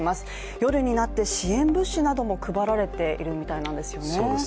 夜になって支援物資なども配られているみたいなんですよね。